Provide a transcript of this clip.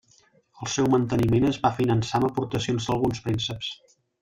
El seu manteniment es va finançar amb aportacions d'alguns prínceps.